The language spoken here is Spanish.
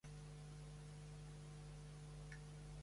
Era pronunciado como "we".